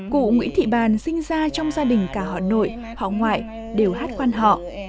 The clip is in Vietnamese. cụ nguyễn thị bàn sinh ra trong gia đình cả họ nội họ ngoại đều hát quan họ